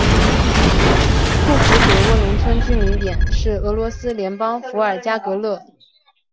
库普佐沃农村居民点是俄罗斯联邦伏尔加格勒州科托沃区所属的一个农村居民点。